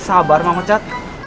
sabar pak pecat